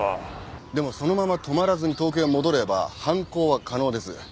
でもそのまま泊まらずに東京へ戻れば犯行は可能です。